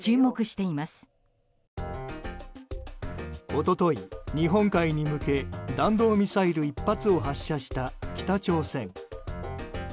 一昨日、日本海に向け弾道ミサイル１発を発射した北朝鮮。